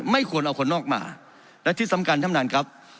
ไม่ควรเอาคนนอกมาและที่สำคัญท่านประธานครับ